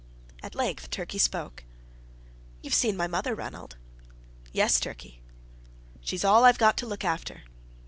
At length Turkey spoke. "You've seen my mother, Ranald." "Yes, Turkey." "She's all I've got to look after."